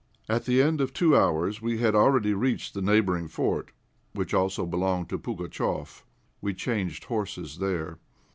At the end of two hours we had already reached the neighbouring fort, which also belonged to Pugatchéf. We changed horses there.